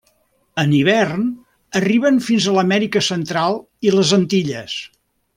En hivern arriben fins a l'Amèrica Central i les Antilles.